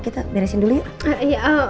kita beresin dulu ya